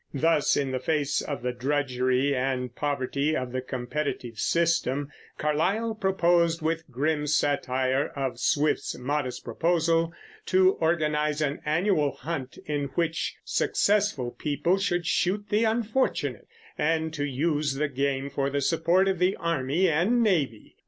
Thus, in the face of the drudgery and poverty of the competitive system, Carlyle proposed, with the grim satire of Swift's "Modest Proposal," to organize an annual hunt in which successful people should shoot the unfortunate, and to use the game for the support of the army and navy.